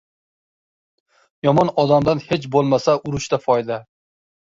• Yomon odamdan hech bo‘lmasa urushda foyda.